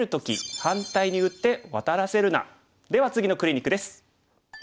では次のクリニックです。